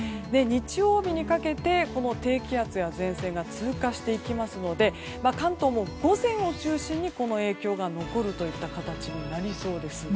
日曜日にかけて低気圧や前線が通過していきますので関東も午前を中心にこの影響が残るといった形になりそうです。